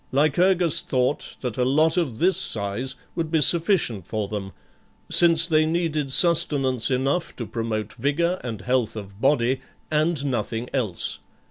Lycurgus thought that a lot of this size would be sufficient for them, since they needed sustenance enough to pro mote vigour and health of body, and nothing else.